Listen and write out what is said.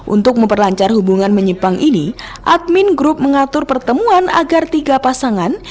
untuk memperlancar hubungan menyimpang ini admin grup mengatur pertemuan agar tiga pasangan